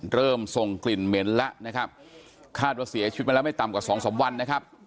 เริ่มทรงกลิ่นเหม็นแล้วนะครับคาดว่าเสียชีวิตมาแล้วไม่ต่ำกว่าสองสามวันนะครับ